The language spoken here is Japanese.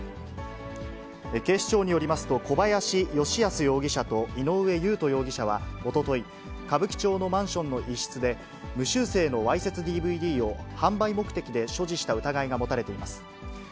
警視庁によりますと、小林慶康容疑者と井上雄翔容疑者はおととい、歌舞伎町のマンションの一室で、無修正のわいせつＤＶＤを販売目的で所持した疑いが持たれています。